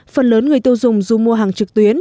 phần lớn người tiêu dùng dù mua hàng trực tuyến